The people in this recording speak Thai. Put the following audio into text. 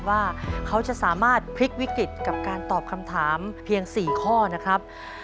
ว่าเขาจะสามารถพลิกวิกฤตกับการตอบคำถามเพียง๔ข้อนะครับ